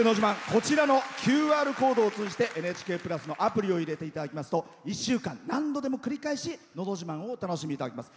こちらのＱＲコードを通じて「ＮＨＫプラス」のアプリを入れていただきますと１週間、何度でも繰り返し「のど自慢」をお楽しみいただけます。